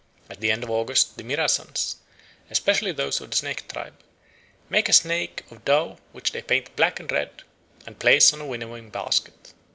At the end of August the Mirasans, especially those of the Snake tribe, make a snake of dough which they paint black and red, and place on a winnowing basket.